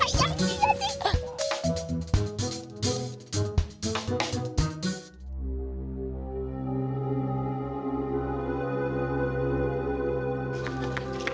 ayam siar sih